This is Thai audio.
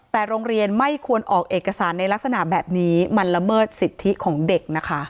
แต่โรงเรียนไม่ควรออกเอกสารในลักษณะแบบนี้มันละเมิดสิทธิของเด็กนะคะ